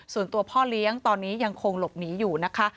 ส่วนตัวพ่อเลี้ยงตอนนี้ยังคงหลบหนีอยู่นะคะ